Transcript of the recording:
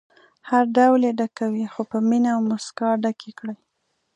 هر ډول یې ډکوئ خو په مینه او موسکا ډکې کړئ.